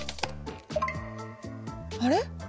あれ？